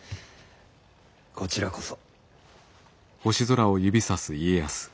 こちらこそ。